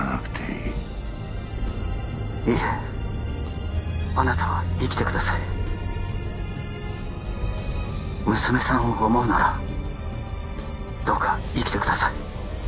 いいえあなたは生きてください娘さんを想うならどうか生きてください